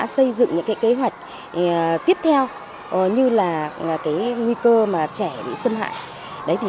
xây dựng những kế hoạch tiếp theo như là nguy cơ trẻ bị xâm hại